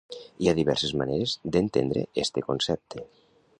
Hi ha diverses maneres d'entendre este concepte.